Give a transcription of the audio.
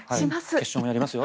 決勝もやりますよ。